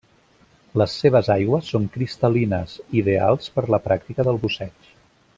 Les seves aigües són cristal·lines, ideals per la pràctica del busseig.